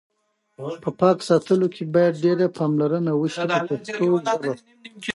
په پاک ساتلو کې باید ډېره پاملرنه وشي په پښتو ژبه.